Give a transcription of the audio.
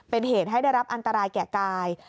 เป็นเหตุให้ได้รับอันตรายแก่กาย